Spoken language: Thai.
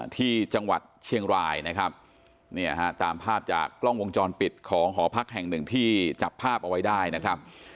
ที่จังหวัดเชียงรายนะครับเนี่ยฮะตามภาพจากกล้องวงจรปิดของหอพักแห่งหนึ่งที่จับภาพเอาไว้ได้นะครับ